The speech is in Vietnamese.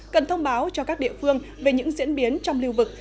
cần thông báo cho các địa phương về những diễn biến trong lưu vực